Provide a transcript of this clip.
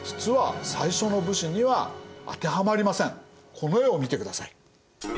この絵を見てください。